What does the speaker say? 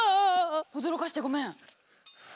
驚かしてごめん！